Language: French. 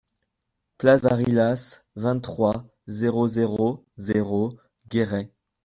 Place Varillas, vingt-trois, zéro zéro zéro Guéret